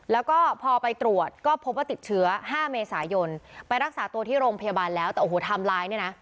แล้วก็พอไปตรวจก็พบว่าติดเชื้อ๕เมษายนไปรักษาตัวที่โรงพยาบาลแล้วแต่โอ้โหไทม์ไลน์เนี่ยนะ